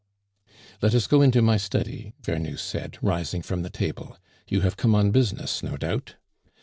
"Let us go into my study," Vernou said, rising from the table; "you have come on business, no doubt."